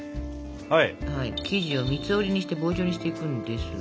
生地を三つ折りにして棒状にしていくんですが。